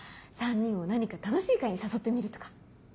３人を何か楽しい会に誘ってみるとか？